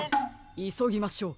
いそぎましょう！